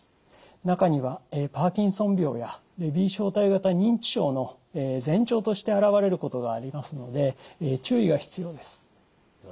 中にはパーキンソン病やレビー小体型認知症の前兆として現れることがありますので注意が必要です。